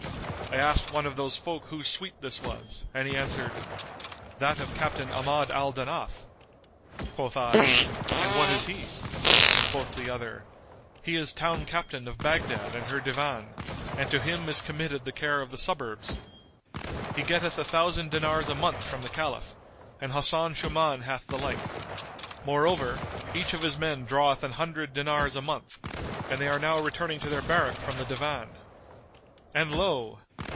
I asked one of the folk whose suite this was, and he answered, 'That of Captain Ahmad al Danaf.' Quoth I, 'And what is he?' and quoth the other, 'He is town captain of Baghdad and her Divan, and to him is committed the care of the suburbs. He getteth a thousand dinars a month from the Caliph and Hasan Shuman hath the like. Moreover, each of his men draweth an hundred dinars a month; and they are now returning to their barrack from the Divan.' And lo!